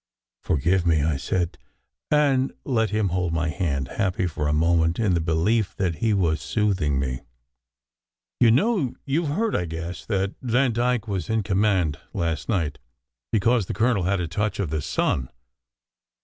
"Forgive me," I said, and let him hold my hand, happy for a moment in the belief that he was soothing me. "You know you ve heard, I guess, that Vandyke was 136 SECRET HISTORY in command last night, because the colonel had a touch ol the sun?